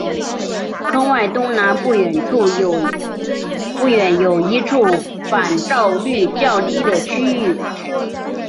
坑外东南不远有一处反照率较低的区域。